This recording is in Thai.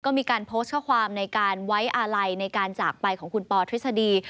ก็มีการโพสต์ข้อความในการไว้อาลัยในการจากไปของคุณปอทฤษฎี